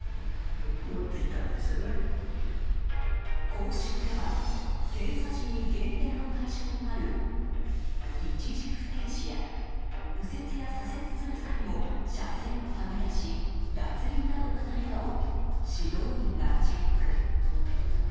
講習では、検査時に減点の対象となる一時不停止や右折や左折する際の車線はみ出し脱輪などがないかを指導員がチェック。